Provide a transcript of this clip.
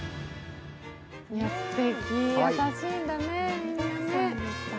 すてき、優しいんだね、みんなね。